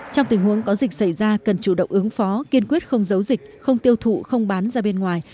trong tình huống có dịch xảy ra cần chủ động ứng phó kiên quyết không giấu dịch không tiêu thụ không bán ra bên ngoài